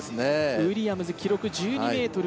ウィリアムズ、記録１２ｍ７１。